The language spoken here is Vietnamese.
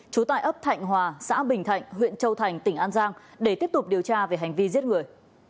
trú tại ấp thạnh hòa xã bình thạnh huyện châu thành tỉnh an giang để tiếp tục điều tra về hành vi giết người